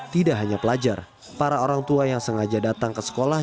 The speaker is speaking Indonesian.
tidak hanya pelajar para orang tua yang sengaja datang ke sekolah